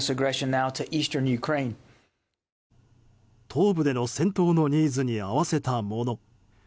東部での戦闘のニーズに合わせたもの。